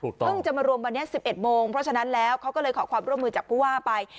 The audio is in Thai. เพิ่งจะมารวมวันนี้๑๑โมงเพราะฉะนั้นแล้วเขาก็เลยขอความร่วมมือจากผู้ว่าไป